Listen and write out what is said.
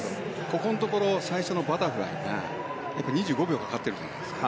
ここのところ最初のバタフライで２５秒かかっているじゃないですか。